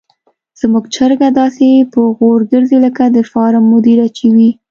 زموږ چرګه داسې په غرور ګرځي لکه د فارم مدیره چې وي.